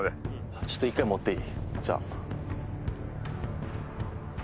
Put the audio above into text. ちょっと１回、持っていい？